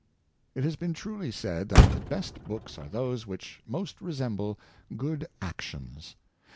It has been truly said that the best books are those which most resemble good actions.